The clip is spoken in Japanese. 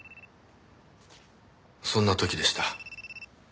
そんな時でした。